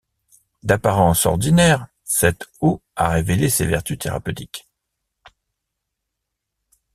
D'apparence ordinaire, cette eau a révélé ses vertus thérapeutiques.